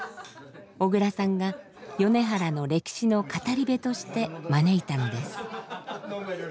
小倉さんが米原の歴史の語り部として招いたのです。